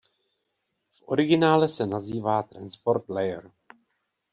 V originále se nazývá "transport layer".